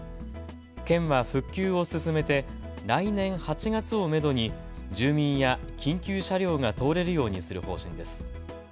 県は復旧を進めて来年８月をめどに住民や緊急車両が通れるようにする方針です。